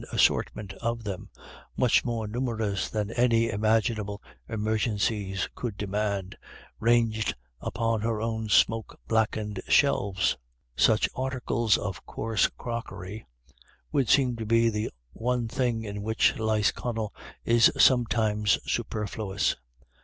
assortment of them, much more numerous than any imaginable emergencies could demand, ranged upon her own smoke blackened shelves. Small articles of coarse crockery would seem to be the one thing in which Lisconnel is sometimes superfluous.